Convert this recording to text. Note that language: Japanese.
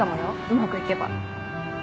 うまくいけば。